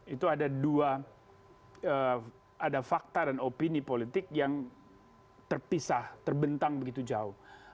itu ada dua ada fakta dan opini politik yang terpisah terbentang begitu jauh